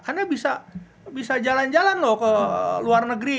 anda bisa jalan jalan loh ke luar negeri